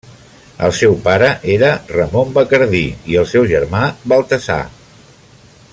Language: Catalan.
El seu pare era Ramon Bacardí i el seu germà Baltasar.